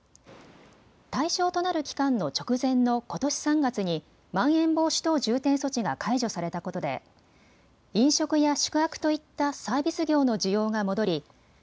対象となる期間の直前のことし３月にまん延防止等重点措置が解除されたことで飲食や宿泊といったサービス業の需要が戻り